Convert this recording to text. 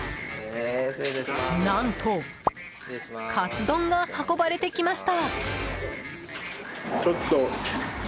何と、カツ丼が運ばれてきました。